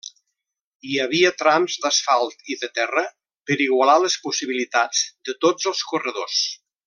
Hi havia trams d'asfalt i de terra, per igualar les possibilitats de tots els corredors.